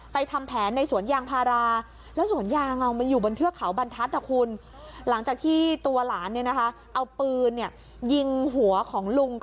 ทำแผนในสวนยางพาราแล้วสวนยางมันอยู่บนเทือกเขาบรรทัศน์